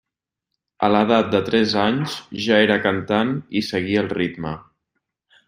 A l'edat de tres anys ja era cantant i seguia el ritme.